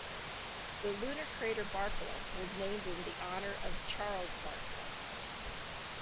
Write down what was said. The lunar crater Barkla was named in the honour of Charles Barkla.